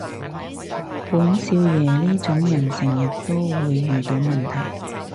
本少爺呢種人成日都會遇到問題